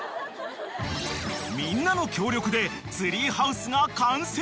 ［みんなの協力でツリーハウスが完成］